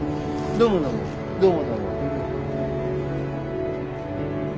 どうもどうも。